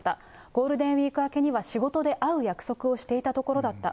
ゴールデンウィーク明けには仕事で会う約束をしていたところだった。